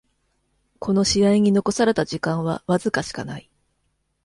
この試合に残された時間はわずかしかない